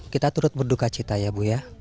kita turut berduka cita ya bu ya